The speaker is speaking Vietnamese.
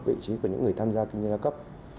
vị trí của những người tham gia kinh doanh đa cấp